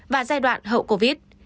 và giai đoạn hậu covid